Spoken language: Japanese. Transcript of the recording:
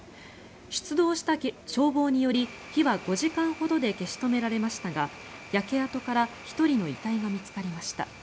出動した消防により火は５時間ほどで消し止められましたが焼け跡から１人の遺体が見つかりました。